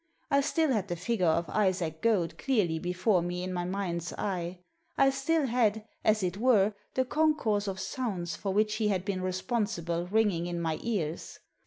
I still had the figure of Isaac Goad clearly before me in my mind's eye. I still had, as it were, the concourse of sounds for which he had been responsible ringing in my ears.